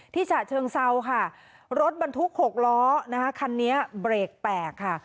ที่ฉะเชิงเศร้าค่ะรถบรรทุก๖ล้อคันนี้เบรกแปลกค่ะ